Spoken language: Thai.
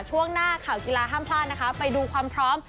ช่วงหน้าข่าวกีฬาห้ามพลาดนะคะไปดูความพร้อม